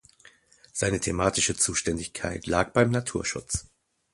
Seine thematische Zuständigkeit lag beim Naturschutz.